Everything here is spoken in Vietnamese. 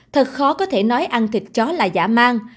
thật khó có thể nói ăn thịt chó là giả mang